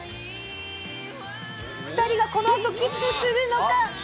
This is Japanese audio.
２人がこのあとキスするのか。